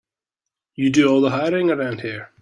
You do all the hiring around here.